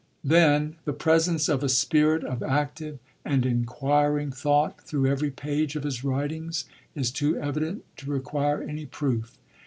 Then " the presence of a spirit of active and enquiring thought thi ough every page of his writings is too evident to require any proof.